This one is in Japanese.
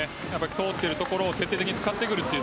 通っているところを徹底的に使ってくる。